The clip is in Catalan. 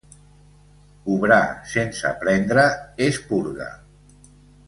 Obrar sense prendre és purga.